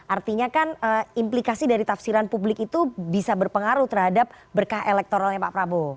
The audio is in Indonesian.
artinya kan implikasi dari tafsiran publik itu bisa berpengaruh terhadap berkah elektoralnya pak prabowo